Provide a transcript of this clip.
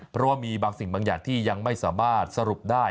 เพราะว่ามีบางสิ่งบางอย่างที่ยังไม่สามารถสรุปได้